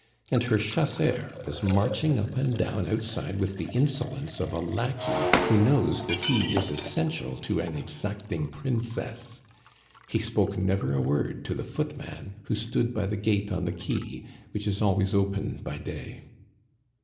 And her chasseur was marching up and down outside with the insolence of a lackey who knows that he is essential to an exacting princess. He spoke never a word to the footman, who stood by the gate on the quay, which is always open by day.